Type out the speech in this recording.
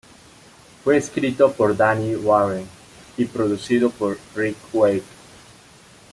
Fue escrito por Diane Warren y producido por Ric Wake.